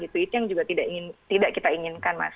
itu yang juga tidak kita inginkan mas